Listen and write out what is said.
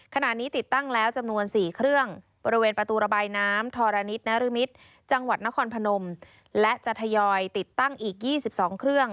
ขณะนี้ติดตั้งแล้วจำนวน๔เครื่องบริเวณประตูระบายน้ำธรณิตนรมิตรจังหวัดนครพนมและจะทยอยติดตั้งอีก๒๒เครื่อง